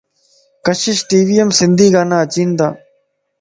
ڪشش ٽي ويم سنڌي گانا تا اچين